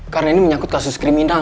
karena ini menyangkut kasus kriminal